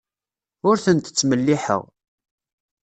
Ur tent-ttmelliḥeɣ.